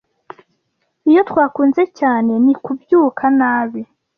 iyo twakunze cyane ni kubyuka nabi